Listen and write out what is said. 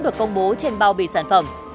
được công bố trên bao bì sản phẩm